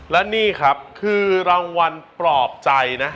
และนี่ครับคือรางวัลปลอบใจนะ